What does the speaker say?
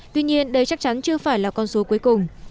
tuy nhiên đây chắc chắn chưa phải là con số cuối cùng